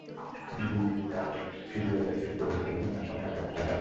বিআইএফপিসিএলের একটি সূত্র বলেছে, কেন্দ্রটি নির্মাণে সময় লাগবে এখনো প্রায় চার বছর।